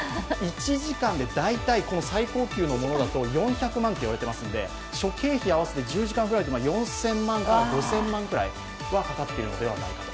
１時間で大体最高級のものだと４００万と言われていますので諸経費合わせて１０時間ぐらいで４０００万から５０００万くらいはかかっているのではないかと。